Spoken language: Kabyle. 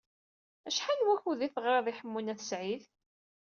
Acḥal n wakud i teɣṛiḍ i Ḥemmu n At Sɛid?